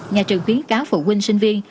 nhà trường khuyến cáo phụ huynh sinh viên